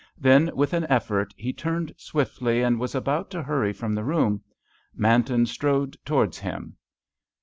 Then with an effort he turned swiftly, and was about to hurry from the room. Manton strode towards him.